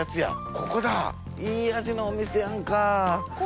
ここだいい味のお店やんか。